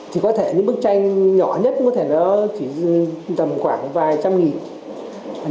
thì có thể những bức tranh nhỏ nhất có thể nó chỉ tầm khoảng vài trăm nghìn